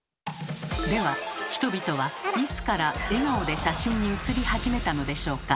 では人々はいつから笑顔で写真に写り始めたのでしょうか？